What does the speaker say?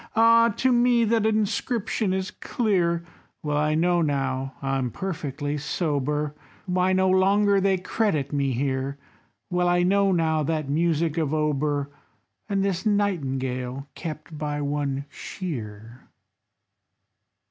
Ah! to me that inscription is clear; Well I know now, I'm perfectly sober, Why no longer they credit me here, Well I know now that music of Auber, And this Nightingale, kept by one Shear."